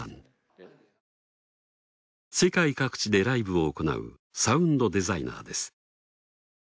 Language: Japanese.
世界各地でライブを行うサウンドデザイナーです。